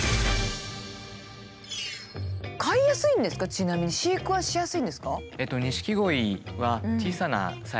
ちなみに飼育はしやすいんですか？